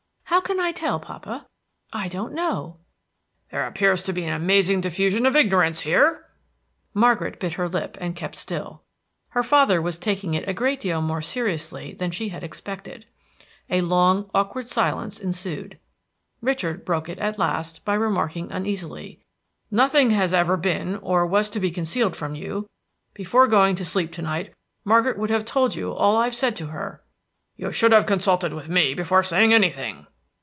How can I tell, papa? I don't know." "There appears to be an amazing diffusion of ignorance here!" Margaret bit her lip, and kept still. Her father was taking it a great deal more seriously than she had expected. A long, awkward silence ensued. Richard broke it at last by remarking uneasily, "Nothing has been or was to be concealed from you. Before going to sleep to night, Margaret would have told you all I've said to her." "You should have consulted with me before saying anything."